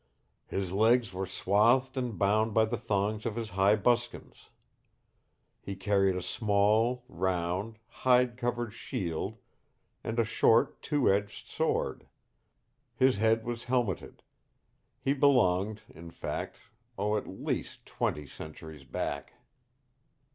His legs were swathed and bound by the thongs of his high buskins. He carried a small, round, hide covered shield and a short two edged sword. His head was helmeted. He belonged, in fact oh, at least twenty centuries back."